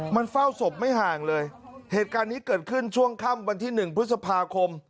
มันเฝ้าศพไม่ห่างเลยเหตุการณ์นี้เกิดขึ้นช่วงค่ำวันที่๑พฤษภาคม